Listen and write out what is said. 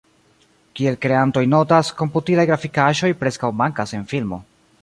Kiel kreantoj notas, komputilaj grafikaĵoj preskaŭ mankas en filmo.